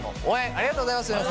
ありがとうございます！